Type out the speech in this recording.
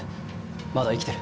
まだ生きてる。